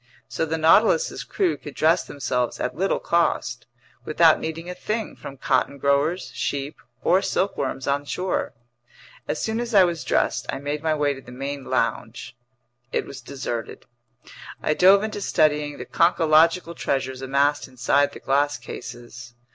So the Nautilus's crew could dress themselves at little cost, without needing a thing from cotton growers, sheep, or silkworms on shore. As soon as I was dressed, I made my way to the main lounge. It was deserted. I dove into studying the conchological treasures amassed inside the glass cases.